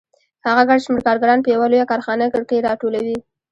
هغه ګڼ شمېر کارګران په یوه لویه کارخانه کې راټولوي